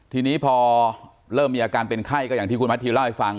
ทีนี้พอเริ่มมีอาการเป็นไข้ก็อย่างที่คุณพัทธิเล่าให้ฟัง